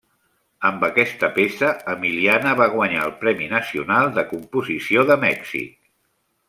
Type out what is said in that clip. Amb aquesta peça, Emiliana va guanyar el Premi Nacional de Composició de Mèxic.